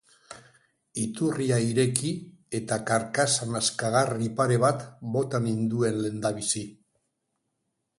Iturria ireki eta karkaxa nazkagarri pare bat bota nituen lehendabizi.